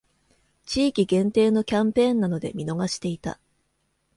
地域限定のキャンペーンなので見逃していた